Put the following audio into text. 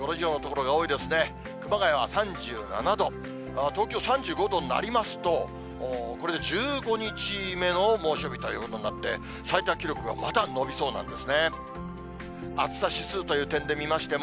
熊谷は３７度、東京３５度になりますと、これで１５日目の猛暑日ということになって、最多記録がまた伸びそうなんですね。